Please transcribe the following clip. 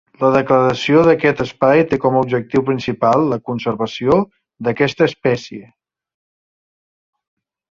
La declaració d’aquest espai té com a objectiu principal la conservació d'aquesta espècie.